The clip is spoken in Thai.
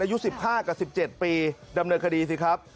อายุ๑๕กับ๑๗ปีดำเนินคดีสิครับ